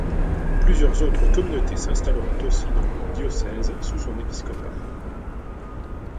Plusieurs autres communautés s'installeront aussi dans le diocèse sous son épiscopat.